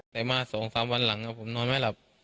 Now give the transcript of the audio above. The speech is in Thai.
แต่มาสองสามวันหลังผมนอนไม่หลับ